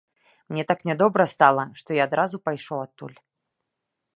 Мне так нядобра стала, што я адразу пайшоў адтуль.